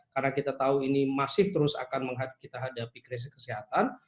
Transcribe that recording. karena kita tahu ini masih terus akan menghadapi krisis kesehatan